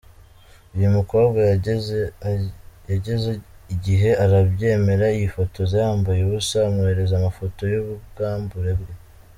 Uyu mukobwa yageze igihe arabyemera yifotoza yambaye ubusa amwoherereza amafoto y’ubwambure bwe.